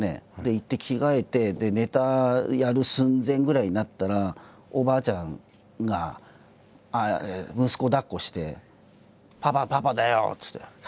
行って着替えてネタやる寸前ぐらいになったらおばあちゃんが息子をだっこして「パパ！パパだよ！」